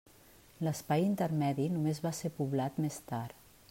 L'espai intermedi només va ser poblat més tard.